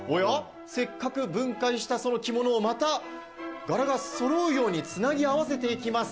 せっかく分解した着物をまた柄がそろうように、つなぎ合わせていきます。